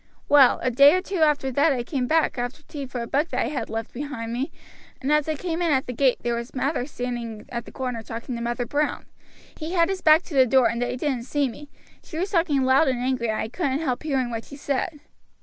"Well, a day or two after that I came back after tea for a book that I had left behind me, and as I came in at the gate there Mather was standing at the corner talking to Mother Brown. He had his back to the door, and they didn't see me. She was talking loud and angry and I couldn't help hearing what she said."